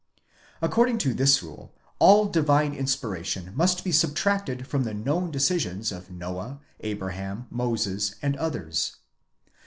According to this rule all divine inspiration must be subtracted from the known decisions of Noah, Abraham, Moses, and others.